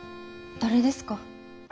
誰ですか？